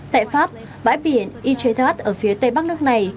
tại pháp bãi biển ytretat ở phía tây bắc nước này